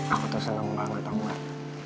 aku tuh seneng banget aku gak